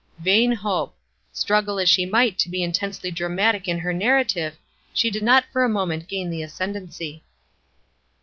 Vain hope! Struggle as she might to be intensely dramatic in her narrative, she did not for a moment gain the ascendency.